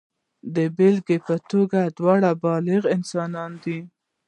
د بېلګې په توګه دواړه بالغ انسانان دي.